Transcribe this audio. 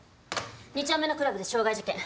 ２丁目のクラブで傷害事件